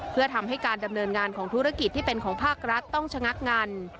เพื่อทำให้การดำเนินงานของธุรกิจที่เป็นของภาครัฐต้องชะงักงัน